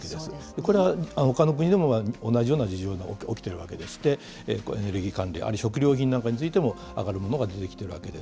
これはほかの国でも同じような事情が起きているわけでして、エネルギー関連、あるいは食料品なんかについても上がるものが出てきているわけです。